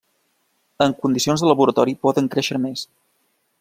En condicions de laboratori poden créixer més.